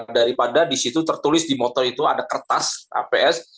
daripada di situ tertulis di motor itu ada kertas aps